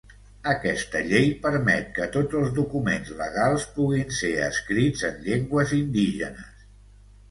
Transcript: Aquesta llei permet que tots els documents legals puguin ser escrits en llengües indígenes.